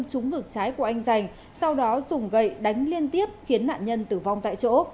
trúng ngực trái của anh giành sau đó dùng gậy đánh liên tiếp khiến nạn nhân tử vong tại chỗ